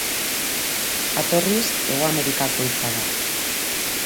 Jatorriz, Hego Amerikako hitza da.